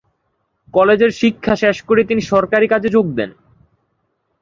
কলেজের শিক্ষা শেষ করে তিনি সরকারি কাজে যোগ দেন।